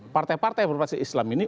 partai partai yang berperanasi islam ini